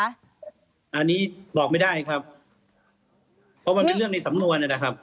อันนี้บอกไม่ได้ครับเพราะมันเป็นเรื่องในสำนวนนะครับ